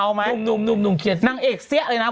ไอ้คนเล็กกลางฉันรู้แล้ว